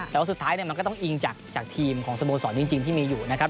แต่ว่าสุดท้ายมันก็ต้องอิงจากทีมของสโมสรจริงที่มีอยู่นะครับ